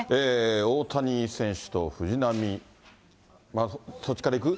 大谷選手と藤浪、そっちから行く？